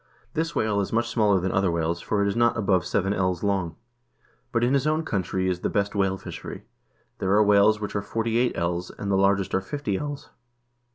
This whale is much smaller than other whales, for it is not above seven ells 3 long. But in his own country is the best whale fishery ; there are whales which are forty eight ells, and the largest are fifty ells.